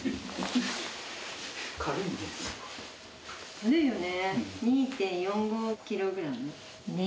軽いよね。